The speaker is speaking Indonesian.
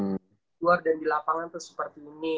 keluar dan di lapangan tuh seperti ini